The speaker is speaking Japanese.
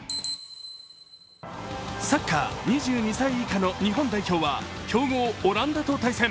サッカー、２２歳以下の日本代表は強豪・オランダと対戦。